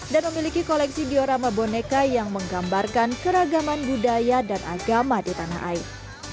dan memiliki koleksi diorama boneka yang menggambarkan keragaman budaya dan agama di tanah air